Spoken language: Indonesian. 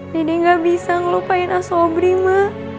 dede gak bisa ngelupain ah sobri ma